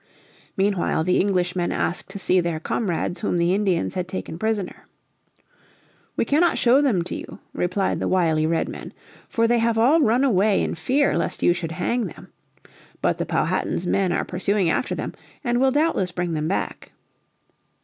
Meanwhile the Englishmen asked to see their comrades whom the Indians had taken prisoner. "We cannot show them to you," replied the wily Redmen, "for they have all run away in fear lest you should hang them. But the Powhatan's men are pursuing after them, and will doubtless bring them back."